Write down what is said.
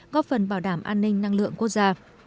góp phần bảo đảm an ninh năng lượng quốc gia